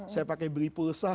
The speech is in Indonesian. saya pakai beli pulsa